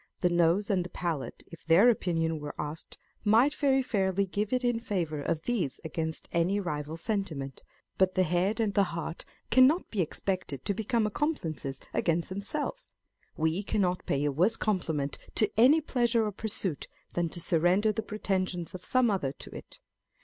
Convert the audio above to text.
The nose and the palate, if their opinion were asked, might very fairly give it in favour of these against any rival sentiment ; but the head and the heart cannot be expected to become ac complices against themselves. We cannot pay a worse compliment to any pleasure or pursuit than to surrender the pretensions of some other to it.